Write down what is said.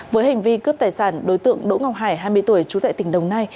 với hành vi cướp tài sản đối tượng đỗ ngọc hải hai mươi tuổi trú tại tỉnh đồng nai